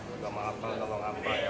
enggak mau apa apa enggak mau apa apa